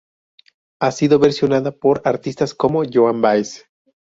Ha sido versionada por artistas como Joan Baez.